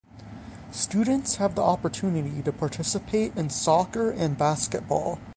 Students have the opportunity to participate in soccer and basketball.